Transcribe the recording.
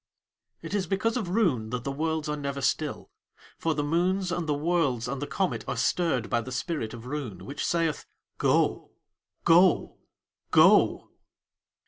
It is because of Roon that the worlds are never still, for the moons and the worlds and the comet are stirred by the spirit of Roon, which saith: "Go! Go! Go!"